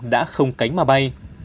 đã không cánh mà bay